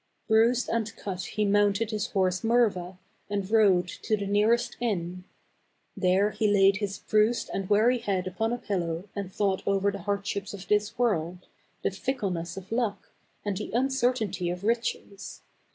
Bruised and cut he mounted his horse Murva, and rode to the nearest inn. There he laid his bruised and weary head upon a pillow and thought over the hardships of this world, the fickleness of luck, and the uncertainty of riches.